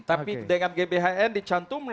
tapi dengan gbhn dicantum